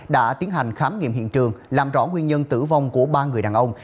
đã tiến hành khám nghiệm hiện trường làm rõ nguyên nhân tử vong của ba người đàn ông